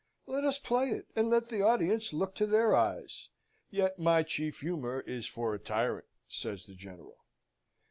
"Let us play it, and let the audience look to their eyes! Yet my chief humour is for a tyrant," says the General.